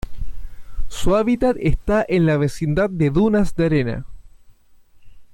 Su hábitat está en la vecindad de dunas de arena.